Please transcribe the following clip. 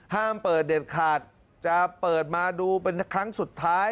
ห้ามเปิดเด็ดขาดจะเปิดมาดูเป็นครั้งสุดท้าย